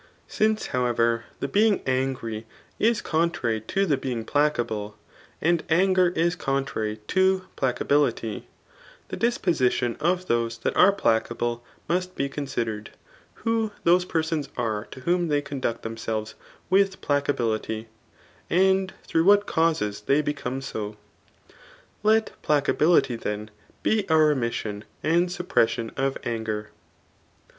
SinioBi hmfeve^9 die being angry is contrary to th^ bang placable^ and anger is contrary to phcabjli^, tha distKMrition: c^ thD9e that ,are placable must be consideredf wh^ ibose perama are to whom they cpnduct themsehres itkh pklcaUlity^ and through what causes they become 90w Let fdacability then be a remission apd suppresnon ofailger